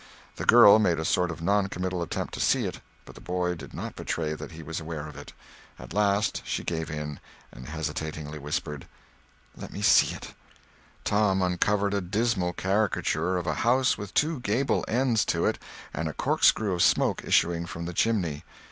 The girl made a sort of non committal attempt to see, but the boy did not betray that he was aware of it. At last she gave in and hesitatingly whispered: "Let me see it." Tom partly uncovered a dismal caricature of a house with two gable ends to it and a corkscrew of smoke issuing from the chimney.